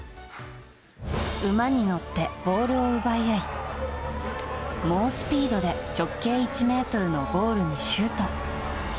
馬に乗ってボールを奪い合い猛スピードで直径１ｍのゴールにシュート。